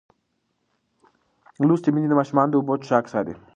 لوستې میندې د ماشومانو د اوبو څښاک څاري.